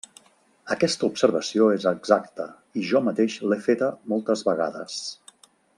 Aquesta observació és exacta, i jo mateix l'he feta moltes vegades.